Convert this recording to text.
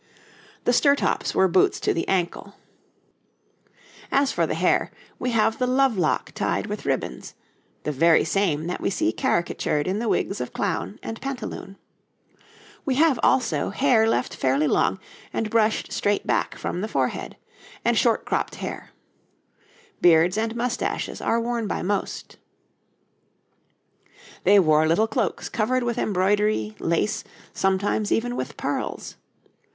The sturtops were boots to the ankle. [Illustration: {Three types of hat for men; three type of breeches and stockings}] As for the hair, we have the love lock tied with ribbons, the very same that we see caricatured in the wigs of clown and pantaloon. We have, also, hair left fairly long and brushed straight back from the forehead, and short cropped hair. Beards and moustaches are worn by most. They wore little cloaks covered with embroidery, lace, sometimes even with pearls.